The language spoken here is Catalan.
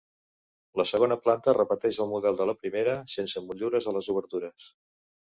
La segona planta repeteix el model de la primera, sense motllures a les obertures.